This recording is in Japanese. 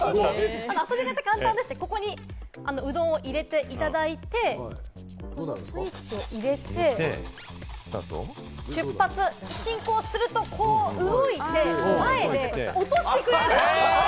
遊び方は簡単で、ここにうどんを入れていただいて、スイッチを入れて、出発進行すると、こう動いて、前で落としてくれる。